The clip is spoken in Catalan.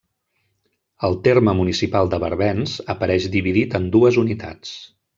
El terme municipal de Barbens apareix dividit en dues unitats.